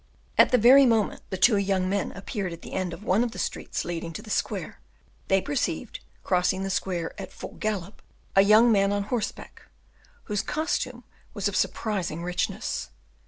At the very moment the two young men appeared at the end of one of the streets leading to the square, they perceived, crossing the square at full gallop, a young man on horseback, whose costume was of surprising richness.